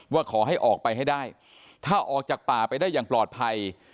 ว่าขอให้ออกไปให้ได้ถ้าออกจากป่าไปได้อย่างปลอดภัย